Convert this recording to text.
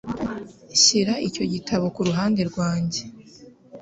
Shyira icyo gitabo ku ruhande rwanjye.